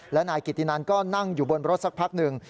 และนายกิตินันก็นั่งอยู่บนรถสักพักหนึ่ง